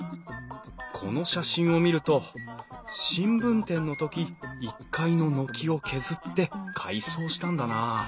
この写真を見ると新聞店の時１階の軒を削って改装したんだな。